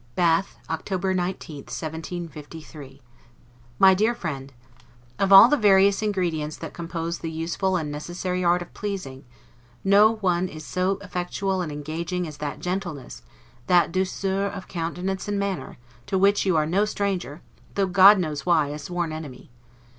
LETTER CLXXXIX BATH, October 19, 1753 MY DEAR FRIEND: Of all the various ingredients that compose the useful and necessary art of pleasing, no one is so effectual and engaging as that gentleness, that 'douceur' of countenance and manner, to which you are no stranger, though (God knows why) a sworn enemy.